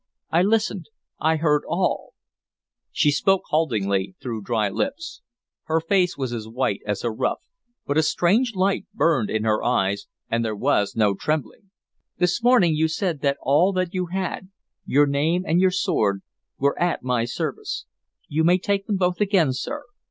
"I listened. I heard all." She spoke haltingly, through dry lips. Her face was as white as her ruff, but a strange light burned in her eyes, and there was no trembling. "This morning you said that all that you had your name and your sword were at my service. You may take them both again, sir.